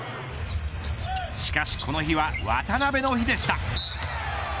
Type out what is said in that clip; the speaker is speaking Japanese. しかしこの日は渡邊の日でした。